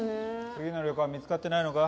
次の旅館見つかってないのか？